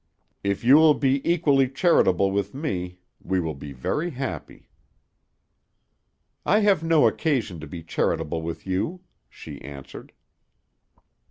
If you will be equally charitable with me, we will be very happy." "I have no occasion to be charitable with you," she answered.